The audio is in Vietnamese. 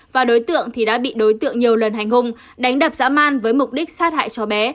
và đối tượng thì đã bị đối tượng nhiều lần hành hung đánh đập dã man với mục đích sát hại cháu bé